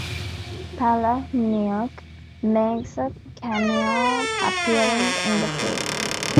Palahniuk makes a cameo appearance in the film.